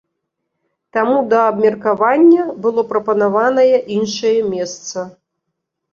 Таму да абмеркавання было прапанаванае іншае месца.